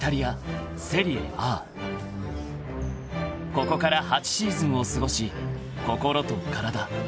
［ここから８シーズンを過ごし心と体技術